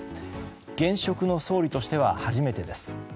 現職の総理としては初めてです。